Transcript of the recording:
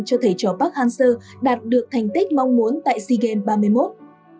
cho thể trò park hansel đạt được thành tích mong muốn tại sea games ba mươi một